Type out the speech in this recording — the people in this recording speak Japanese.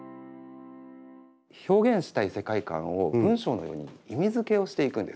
表現したい世界観を文章のように意味づけをしていくんです。